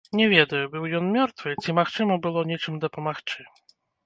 Не ведаю, быў ён мёртвы ці магчыма было нечым дапамагчы.